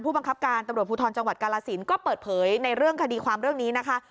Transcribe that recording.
บังคับการตำรวจภูทรจังหวัดกาลสินก็เปิดเผยในเรื่องคดีความเรื่องนี้นะคะ